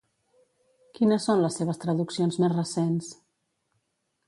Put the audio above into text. Quines són les seves traduccions més recents?